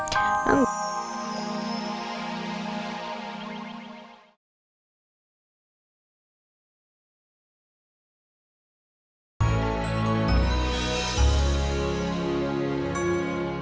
kenapa gak ikhlas ya